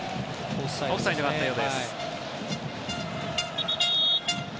オフサイドがあったようです。